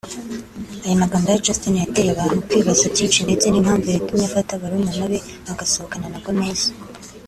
Aya magambo ya Justin yateye abantu kwibaza byinshi ndetse n’impamvu yatumye afata barumuna be bagasohokana na Gomez